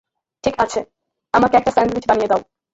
ঠিক আছে, আমাকে একটা স্যান্ডউইচ বানিয়ে দাও।